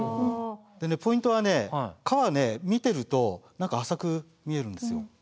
でねポイントはね川見てると何か浅く見えるんですよ。